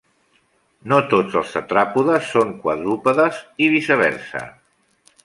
No tots els tetràpodes són quadrúpedes i viceversa.